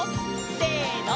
せの！